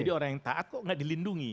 jadi orang yang takut tidak dilindungi